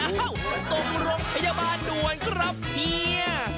อ้าวสมรมพยาบาลด่วนครับพี่